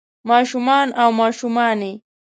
ما شومان او ماشومانے